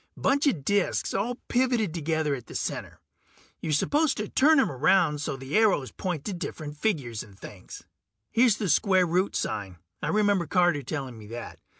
Bunch of disks all pivoted together at the center; you're supposed to turn 'em around so the arrows point to the different figures and things. Here's the square root sign, I remember Carter telling me that.